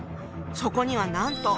そこにはなんと！